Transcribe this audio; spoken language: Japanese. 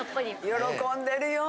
喜んでるよ。